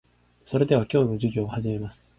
それでは、今日の授業を始めます。